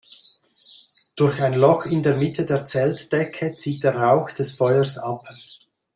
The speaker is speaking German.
Durch ein Loch in der Mitte der Zeltdecke zieht der Rauch des Feuers ab.